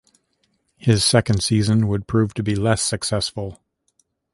His second season would prove to be less successful.